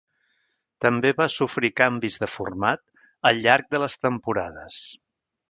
També va sofrir canvis de format al llarg de les temporades.